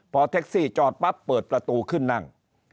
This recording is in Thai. พอแท็กซี่จอดปั๊บเปิดประตูขึ้นนั่ง